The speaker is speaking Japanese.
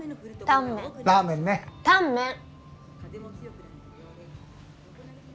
タンメン！